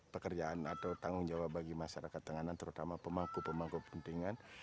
pekerjaan atau tanggung jawab bagi masyarakat tenganan terutama pemangku pemangku pentingan